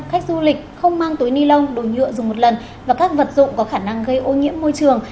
khách du lịch không mang túi ni lông đồ nhựa dùng một lần và các vật dụng có khả năng gây ô nhiễm môi trường